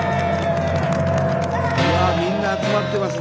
うわっみんな集まってますね。